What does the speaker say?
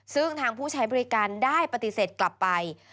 ซึ่งทางผู้ใช้บริการได้ปฏิเสธกลับไป